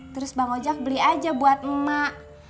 terus bang ojek beli aja buat emak